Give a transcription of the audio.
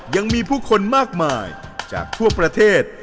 ยังมีผู้คนมากมายจากทั่วประเทศ